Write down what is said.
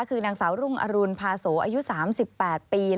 คือนางสาวรุ่งอรุณพาโสอายุ๓๘ปี